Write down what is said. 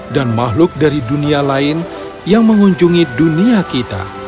dan makhluk dari dunia lain yang mengunjungi dunia kita